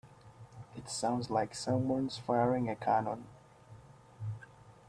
It sounds like someone's firing a cannon.